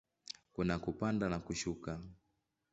Kuna kupanda na kushuka.